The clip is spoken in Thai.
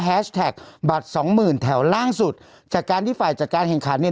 แท็กบัตรสองหมื่นแถวล่างสุดจากการที่ฝ่ายจัดการแข่งขันเนี่ย